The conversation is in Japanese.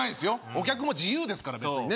お客も自由ですから別にね